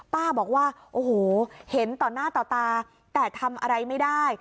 ป้าบอกว่าโอ้โหเห็นต่อหน้าต่อตาแต่ทำอะไรไม่ได้